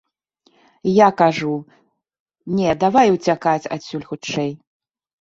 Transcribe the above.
Я кажу, не, давай уцякаць адсюль хутчэй.